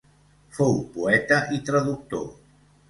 Fou poeta i traductor.